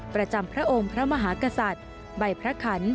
ประจำพระองค์พระมหากษัตริย์